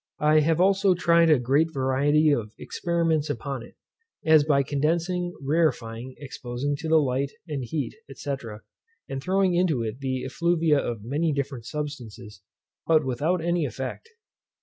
I have also tried a great variety of experiments upon it, as by condensing, rarefying, exposing to the light and heat, &c. and throwing into it the effluvia of many different substances, but without any effect.